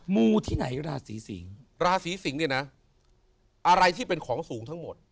มูที่ไหนราศีสิงศ์ราศีสิงศ์เนี่ยนะอะไรที่เป็นของสูงทั้งหมด